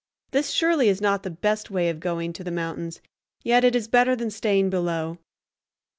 This, surely, is not the best way of going to the mountains, yet it is better than staying below.